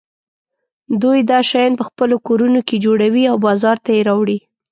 دوی دا شیان په خپلو کورونو کې جوړوي او بازار ته یې راوړي.